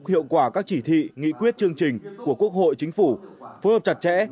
hiệu quả các chỉ thị nghị quyết chương trình của quốc hội chính phủ phối hợp chặt chẽ